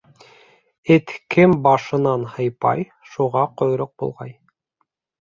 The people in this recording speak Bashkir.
Эт, кем башынан һыйпай, шуға ҡойроҡ болғай.